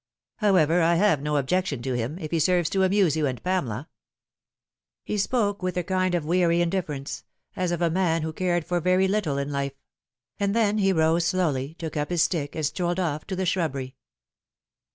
" However, I have no objection to him, if he serve to amuse you and Pamela." He spoke with a kind of weary indifference, as of a man who cared for very little in life ; and then he rose slowly, took up his stick, and strolled off to the shrubbery.